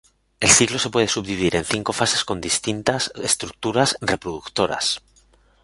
El ciclo se puede subdividir en cinco fases con distintas estructuras reproductoras.